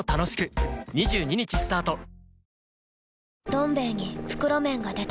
「どん兵衛」に袋麺が出た